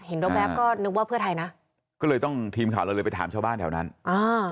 แวบก็นึกว่าเพื่อไทยนะก็เลยต้องทีมข่าวเราเลยไปถามชาวบ้านแถวนั้นอ่า